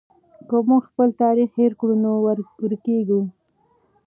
که موږ خپل تاریخ هېر کړو نو ورکېږو.